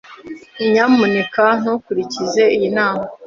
Nyamuneka ntukurikize iyi nama.